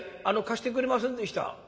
「貸してくれませんでした」。